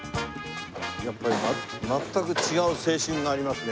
やっぱり全く違う青春がありますね。